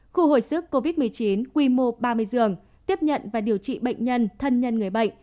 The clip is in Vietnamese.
khu hồi sức covid một mươi chín quy mô ba mươi giường tiếp nhận và điều trị bệnh nhân thân nhân người bệnh